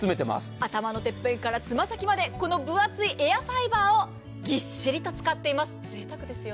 頭のてっぺんからつま先まで、エアファイバーをぎっしりと使っています、ぜいたくですよね。